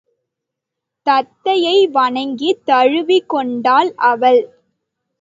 தத்தையை வணங்கித் தழுவிக் கொண்டாள் அவள்.